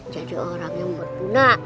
jadi orang yang berguna